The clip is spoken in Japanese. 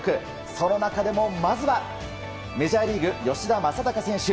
その中でも、まずはメジャーリーグ、吉田正尚選手。